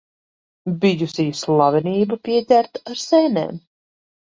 Bijusī slavenība pieķerta ar sēnēm.